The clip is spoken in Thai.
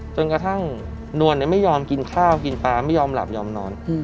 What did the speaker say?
จนกระทั่งนวลไม่ยอมกินข้าวกินปลาไม่ยอมหลับยอมนอน